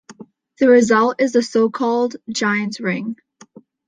The result is the so-called Giants' Ring.